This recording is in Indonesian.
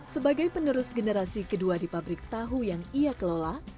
sebagai penerus generasi kedua di pabrik tahu yang ia kelola